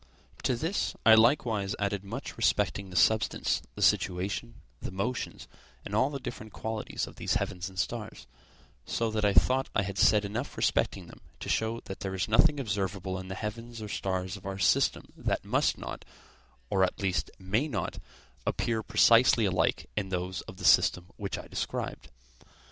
To this I likewise added much respecting the substance, the situation, the motions, and all the different qualities of these heavens and stars; so that I thought I had said enough respecting them to show that there is nothing observable in the heavens or stars of our system that must not, or at least may not appear precisely alike in those of the system which I described.